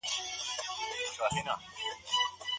طبي پوهنځۍ په بیړه نه بشپړیږي.